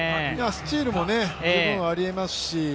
スチールも十分あり得ますし、